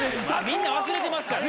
みんな忘れてますから。